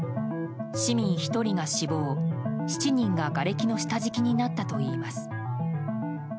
市民１人が死亡７人ががれきの下敷きになったといいます。